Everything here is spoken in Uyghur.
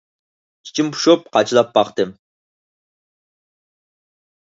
ئىچىم پۇشۇپ قاچىلاپ باقتىم.